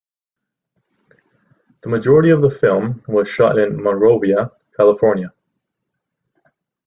The majority of the film was shot in Monrovia, California.